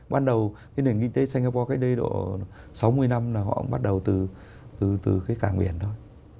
ban đầu cái nền kinh tế singapore cách đây độ sáu mươi năm là họ cũng bắt đầu từ cái cảng biển thôi